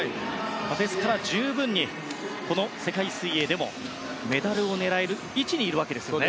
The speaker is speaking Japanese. ですから十分にこの世界水泳でもメダルを狙える位置にいるわけですね。